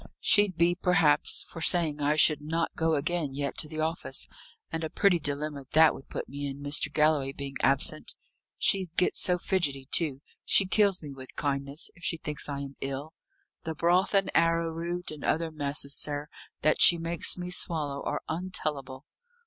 "She'd be perhaps, for saying I should not go again yet to the office; and a pretty dilemma that would put me in, Mr. Galloway being absent. She'd get so fidgety, too: she kills me with kindness, if she thinks I am ill. The broth and arrowroot, and other messes, sir, that she makes me swallow, are untellable."